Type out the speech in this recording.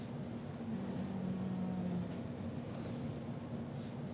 うん。